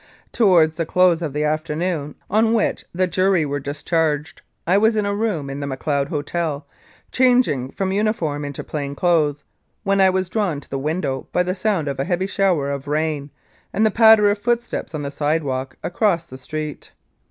Towards the close of the afternoon on which the jury were discharged I was in a room in the Macleod hotel, changing from uniform into plain clothes, when I was drawn to the window by the sound of a heavy shower of rain and the patter of footsteps on the sidewalk across the street.